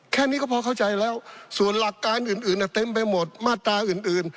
แค่นี้ก็พอเข้าใจแล้วส่วนหลักการอื่นเต็มไปหมดมาตราอื่น